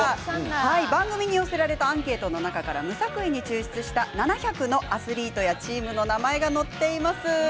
番組に寄せられたアンケートの中から無作為に抽出した７００のアスリートやチームの名前が載っています。